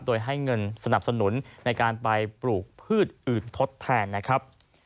โดยให้เงินสนับสนุนในการไปปลูกพืชอื่นทดแทนนะครับ